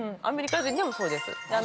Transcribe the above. アメリカ人でもそうです。